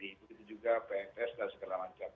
itu juga pns dan segenar macam